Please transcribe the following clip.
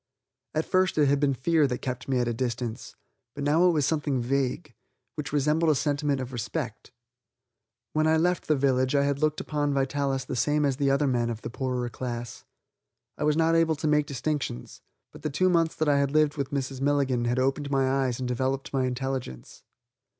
At first it had been fear that kept me at a distance, but now it was something vague, which resembled a sentiment of respect. When I left the village I had looked upon Vitalis the same as the other men of the poorer class. I was not able to make distinctions, but the two months that I had lived with Mrs. Milligan had opened my eyes and developed my intelligence.